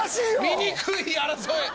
醜い争い。